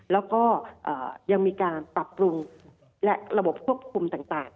แล้วก็ยังมีการปรับปรุงและระบบควบคุมต่าง